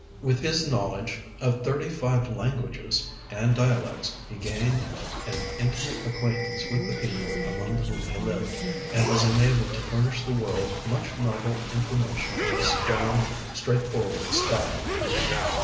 With his knowledge of thirty five languages and dialects he gained an intimate acquaintance with the people among whom he lived, and was enabled to furnish the world much novel information in his strong, straightforward style.